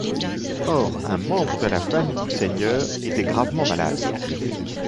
Or, un membre de la famille du seigneur était gravement malade.